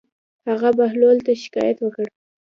هغه بهلول ته شکايت وکړ.